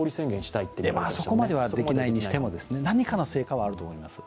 そこまではしないにしても、何かはあると思います。